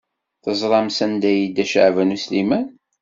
Teẓram sanda ay yedda Caɛban U Sliman?